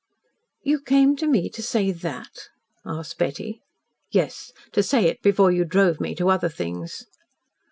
"You came to me to say THAT?" asked Betty. "Yes to say it before you drove me to other things."